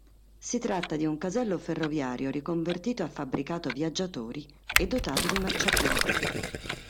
Si tratta di un casello ferroviario riconvertito a fabbricato viaggiatori e dotato di marciapiede.